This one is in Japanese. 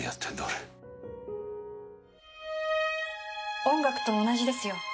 俺音楽と同じですよ